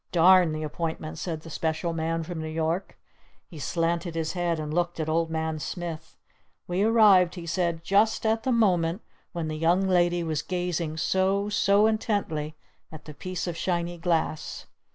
"Darn the appointments!" said the Special Man from New York. He slanted his head and looked at Old Man Smith. "We arrived," he said, "just at the moment when the young lady was gazing so so intently at the piece of shiny glass."